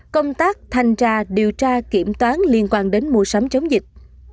công tác thanh tra điều tra kiểm toán liên quan đến mua sắm chống dịch